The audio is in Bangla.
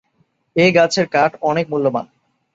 এ গাছের কাঠ অনেক মূল্যবান।